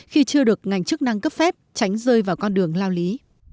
khi chưa được ngành chức năng cấp phép tránh rơi vào con đường lao lý